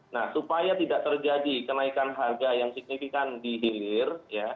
nah supaya tidak terjadi kenaikan harga yang signifikan di hilir